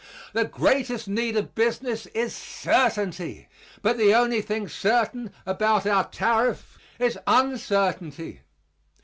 The greatest need of business is certainty; but the only thing certain about our tariff is uncertainty.